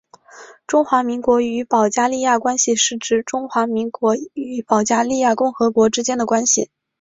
中华民国与保加利亚关系是指中华民国与保加利亚共和国之间的关系。